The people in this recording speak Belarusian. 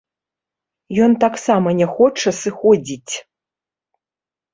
Ён таксама не хоча сыходзіць.